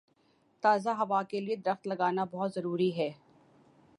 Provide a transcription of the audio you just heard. تازہ ہوا کے لیے درخت لگانا بہت ضروری ہے